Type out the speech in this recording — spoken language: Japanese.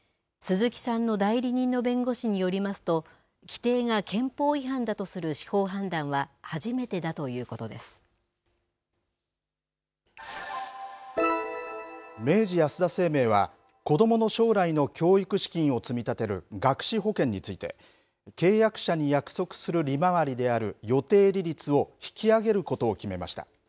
鈴木さんの代理人の弁護士によりますと規定が憲法違反だとする司法判断は明治安田生命は子どもの将来の教育資金を積み立てる学資保険について契約者に約束する利回りである予定利率を引き上げることを決めました。